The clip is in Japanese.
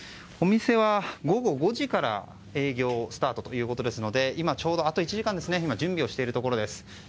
お店は午後５時から営業スタートということですので今、ちょうど準備をしているところです。